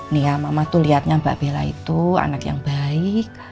nih ya mama tuh lihatnya mbak bella itu anak yang baik